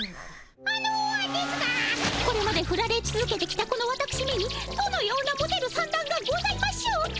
あのですがこれまでフラれつづけてきたこのわたくしめにどのようなモテる算段がございましょうか？